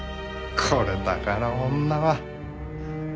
これだから女は。